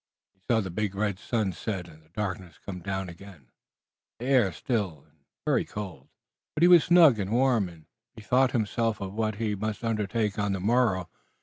He saw the big red sun set and the darkness come down again, the air still and very cold. But he was snug and warm, and bethought himself of what he must undertake on the morrow.